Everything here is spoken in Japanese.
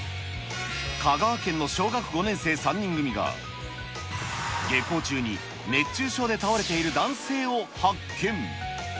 香川県の小学５年生３人組が、下校中に熱中症で倒れている男性を発見。